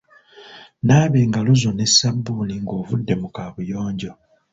Naaba engalo zo ne sabbuuni ng'ovudde mu kaabuyonjo.